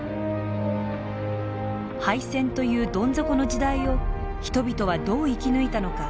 敗戦というどん底の時代を人々はどう生き抜いたのか。